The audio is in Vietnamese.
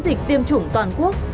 về chiến dịch tiêm chủng toàn quốc